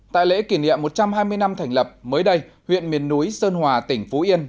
tại lễ kỷ niệm một trăm hai mươi năm thành lập mới đây huyện miền núi sơn hòa tỉnh phú yên